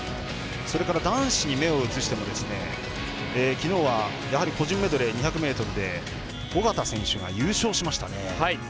それから、男子に目を移してもきのうは個人メドレー２００ｍで小方選手が優勝しましたね。